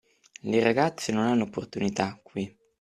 Le ragazze non hanno opportunità, qui.